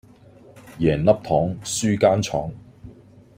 贏粒糖輸間廠